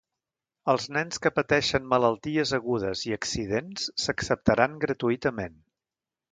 Els nens que pateixen malalties agudes i accidents s'acceptaran gratuïtament.